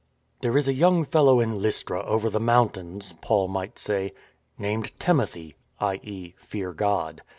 " There is a young fellow in Lystra over the moun tains," Paul might say, " named Timothy " (i.e. Fear God).